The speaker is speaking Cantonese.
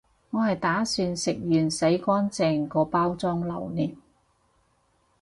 我係打算食完洗乾淨個包裝留念